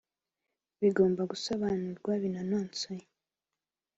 bugomba gusobanurwa binononsoye